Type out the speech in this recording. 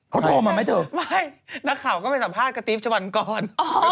เขาโทรมาไหมเธอไม่นักข่าวก็ไปสัมภาษณ์กระติ๊บชะวันกร